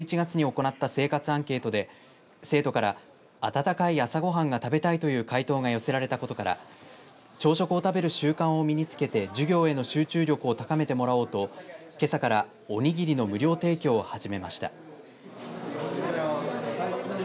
名古屋市中川区にある名古屋市立工業高校では去年１１月に行った生活アンケートで、生徒から温かい朝ご飯が食べたいという回答が寄せられたことから朝食を食べる習慣を身につけて授業への集中力を高めてもらおうとけさからおにぎりの無料提供を始めました。